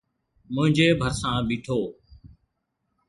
منهنجي ڀرسان بيٺو.